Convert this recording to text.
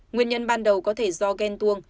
nguyên nhân ban đầu có thể do ghen tuông